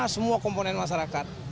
dan dari jalan masyarakat